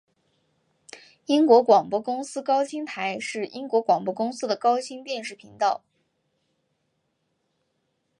英国广播公司高清台是英国广播公司的高清电视频道。